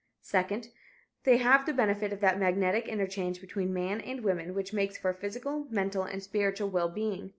Second, they have the benefit of that magnetic interchange between man and woman which makes for physical, mental and spiritual wellbeing.